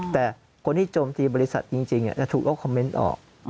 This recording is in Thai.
แต่คนที่โจมตีบริษัทจริงจะถูกลบคอมเมนต์ออก